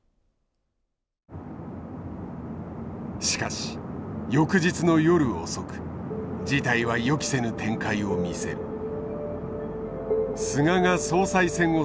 しかし翌日の夜遅く事態は予期せぬ展開を見せる。